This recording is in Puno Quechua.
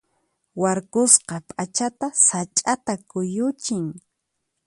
Warkusqa p'achaqa sach'ata kuyuchin.